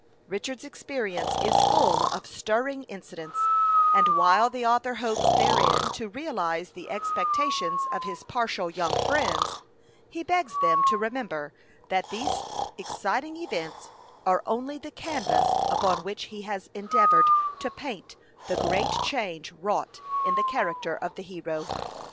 Richard's experience is full of stirring incidents; and while the author hopes therein to realize the expectations of his partial young friends, he begs them to remember that these exciting events are only the canvas upon which he has endeavored to paint the great change wrought in the character of the hero.